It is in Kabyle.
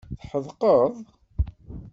Tḥedqeḍ?